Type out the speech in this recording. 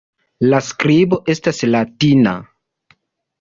La skribo estas latina.